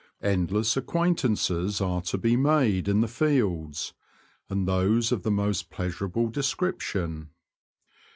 Endless acquaintances are to ' be made in the fields, and those of the most pleasur able description.